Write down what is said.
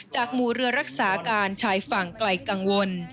จากมูลเรือรักษาการใช้ฝั่งไกลกังวล